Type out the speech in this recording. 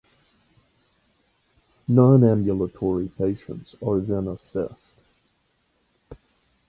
Non-ambulatory patients are then assessed.